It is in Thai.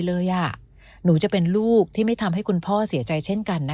หนูจะเป็นลูกที่ไม่ทำให้คุณพ่อเสียใจเช่นกันนะคะ